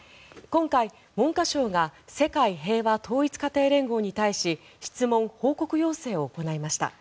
今回、文科省が世界平和統一家庭連合に対し質問・報告要請を行いました。